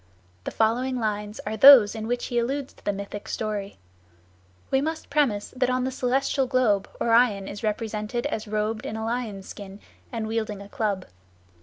The following lines are those in which he alludes to the mythic story. We must premise that on the celestial globe Orion is represented as robed in a lion's skin and wielding a club.